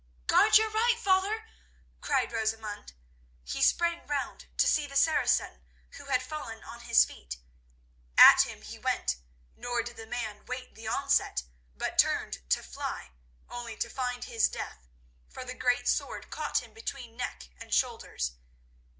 "Guard your right, father!" cried Rosamund. He sprang round, to see the Saracen, who had fallen, on his feet again. At him he went, nor did the man wait the onset, but turned to fly, only to find his death, for the great sword caught him between neck and shoulders.